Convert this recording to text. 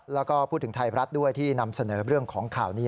แล้วก็พูดถึงไทยรัฐด้วยที่นำเสนอเรื่องของข่าวนี้